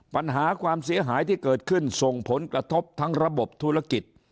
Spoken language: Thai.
ปัญหาความเสียหายที่เกิดขึ้นส่งผลกระทบทั้งระบบธุรกิจ